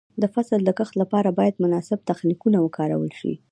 د فصل د کښت لپاره باید مناسب تخنیکونه وکارول شي.